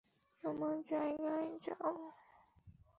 তোমার জায়গায় যাও।